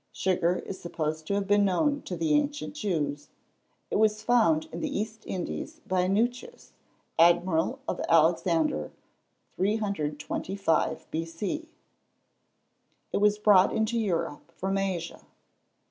Sugar is supposed to have been known to the ancient Jews. It was found in the East Indies by Newcheus, Admiral of Alexander, 325 B.C. It was brought into Europe from Asia.